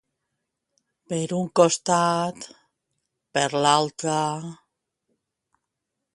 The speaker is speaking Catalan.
Per un costat... Per l'altre...